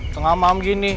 tengah mam gini